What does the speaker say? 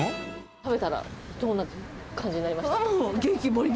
食べたらどんな感じになりま